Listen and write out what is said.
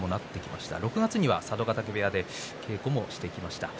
６月には佐渡ヶ嶽部屋で稽古もしてきました。